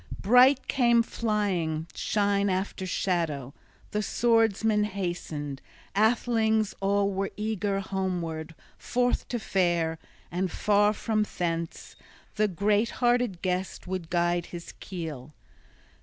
Bright came flying shine after shadow. The swordsmen hastened, athelings all were eager homeward forth to fare; and far from thence the great hearted guest would guide his keel.